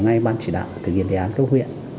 ngay ban chỉ đạo thực hiện đề án cấp huyện